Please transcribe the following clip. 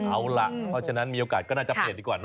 เอาล่ะเพราะฉะนั้นมีโอกาสก็น่าจะเปลี่ยนดีกว่าเน